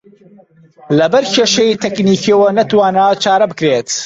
لەبەر کێشەی تەکنیکییەوە نەتوانراوە چارە بکرێت